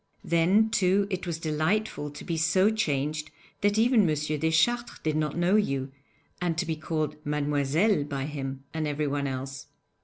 Then, too, it was delightful to be so changed that even M. Deschartres did not know you, and to be called 'Mademoiselle' by him and everyone else.